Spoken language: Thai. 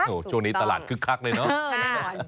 โอ้โหช่วงนี้ตลาดคึกคักเลยเนอะ